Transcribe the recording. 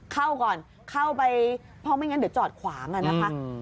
เข้าก่อนเข้าไปเพราะไม่งั้นหรือจอดขวางกันนะอืม